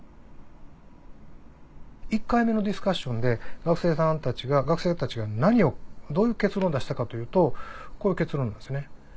１回目のディスカッションで学生たちが何をどういう結論を出したかというとこういう結論なんですよね。